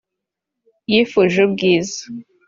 Yifuje ubwiza